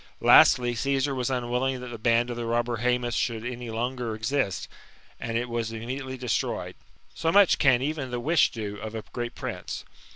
Lastly, Caesar was unwilling thslt the band of the robber Hsemus should any longer exist, and It was itnmediately destroyed. So much can even the wish do of a great prince.